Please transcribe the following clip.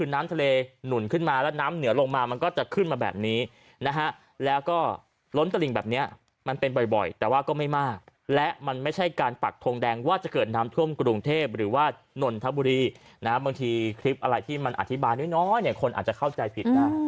น้ำทะเลหนุนขึ้นมาแล้วน้ำเหนือลงมามันก็จะขึ้นมาแบบนี้นะฮะแล้วก็ล้นตลิ่งแบบนี้มันเป็นบ่อยแต่ว่าก็ไม่มากและมันไม่ใช่การปักทงแดงว่าจะเกิดน้ำท่วมกรุงเทพหรือว่านนทบุรีนะฮะบางทีคลิปอะไรที่มันอธิบายน้อยเนี่ยคนอาจจะเข้าใจผิดได้